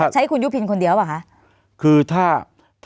ใช้คุณยุพินคนเดียวหรือครับ